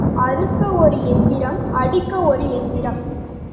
அறுக்க ஒரு யந்திரம் அடிக்க ஒரு யந்திரம்.